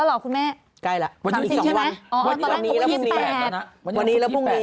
วันหนี้แล้ววันที่วันยี้